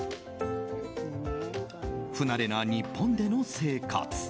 不慣れな日本での生活。